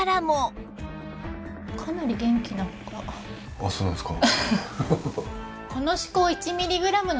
あっそうなんですか。